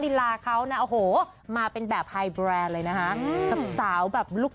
ลีลาเขานะโอ้โหมาเป็นแบบไฮแบรนด์เลยนะคะกับสาวแบบลูก